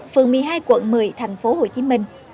phường một mươi hai quận một mươi thành phố hồ chí minh